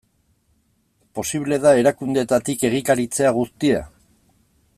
Posible da erakundeetatik egikaritzea guztia?